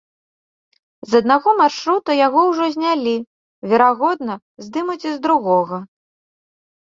З аднаго маршрута яго ўжо знялі, верагодна, здымуць і з другога.